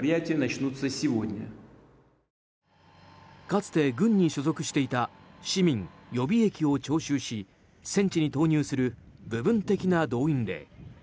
かつて軍に所属していた市民予備役を徴収し戦地に投入する部分的な動員令。